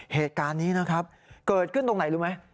เหตุการณ์นี้นะครับเกิดขึ้นตรงไหนรู้ไหม